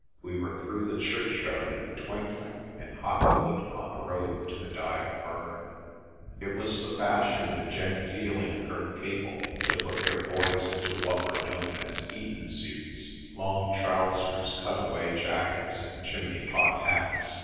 We were through the churchyard in a twinkling, and hot foot on the road to the Dyve Burn. It was the fashion of the genteel in Kirkcaple to put their boys into what were known as Eton suits long trousers, cut away jackets, and chimney pot hats.